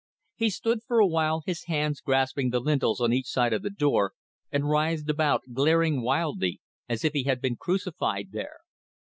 He stood for a while, his hands grasping the lintels on each side of the door, and writhed about, glaring wildly, as if he had been crucified there.